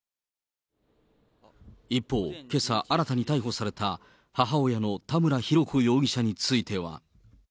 一方、けさ新たに逮捕された母親の田村浩子容疑者については。